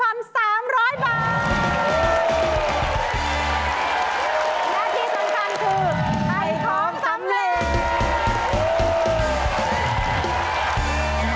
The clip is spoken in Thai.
และที่สำคัญคือให้ของสำเร็จ